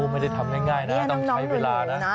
ไม่ได้ทำง่ายนะต้องใช้เวลานะ